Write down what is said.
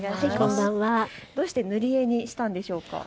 どうして塗り絵にしたんでしょうか。